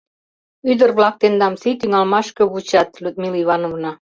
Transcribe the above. — Ӱдыр-влак тендам сий тӱҥалмашке вучат, Людмила Ивановна.